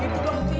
eh belum lagi